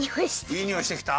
いいにおいしてきた？